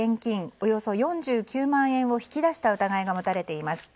およそ４９万円を引き出した疑いが持たれています。